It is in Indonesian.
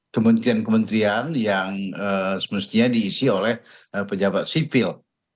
kementerian kementerian yang semestinya diisi oleh pejabat sipil